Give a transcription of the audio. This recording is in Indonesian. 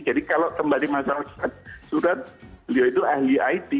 jadi kalau kembali masalah surat beliau itu ahli it